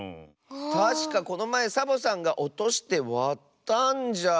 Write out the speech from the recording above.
たしかこのまえサボさんがおとしてわったんじゃ。